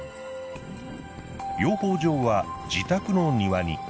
養蜂場は自宅の庭に。